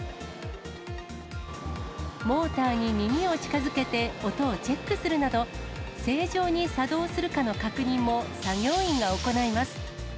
モーターに耳を近づけて音をチェックするなど、正常に作動するかの確認も作業員が行います。